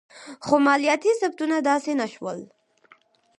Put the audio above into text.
خو مالیاتي ثبتونه داسې نه شول.